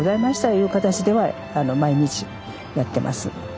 いう形では毎日やってます。